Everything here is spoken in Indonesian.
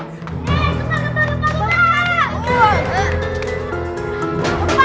gempa gempa gempa